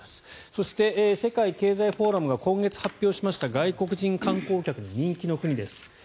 そして、世界経済フォーラムが今月発表しました外国人観光客に人気の国です。